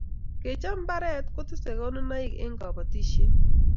kechob mbaret kotese konunaik eng' kabatishiet